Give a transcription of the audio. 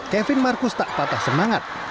kevin marcus tak patah semangat